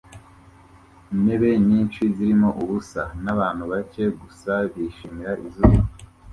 Intebe nyinshi zirimo ubusa nabantu bake gusa bishimira izuba